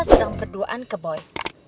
sedang berduaan ke boy